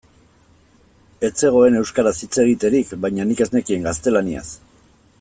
Ez zegoen euskaraz hitz egiterik, baina nik ez nekien gaztelaniaz.